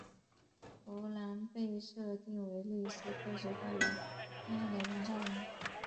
芙兰被设定为类似科学怪人那样的人造人。